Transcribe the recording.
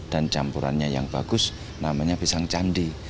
dan campurannya yang bagus namanya pisang candi